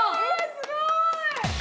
すごい！